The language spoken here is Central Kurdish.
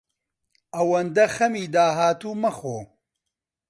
ئەوەندە خەمی داهاتوو مەخۆ.